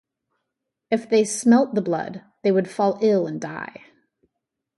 If they smelt the blood, they would fall ill and die.